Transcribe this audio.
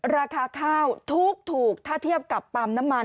ราคาข้าวถูกถ้าเทียบกับปั๊มน้ำมัน